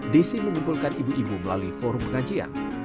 desi mengumpulkan ibu ibu melalui forum pengajian